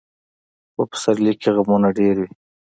په پسرلي کې غمونه ډېر وي.